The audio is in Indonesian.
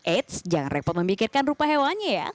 eits jangan repot memikirkan rupa hewannya ya